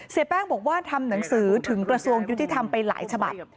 เสียแป้งบอกว่าทำหนังสือถึงประสงค์ยุทธิธรรมไปหลายชะบัตย์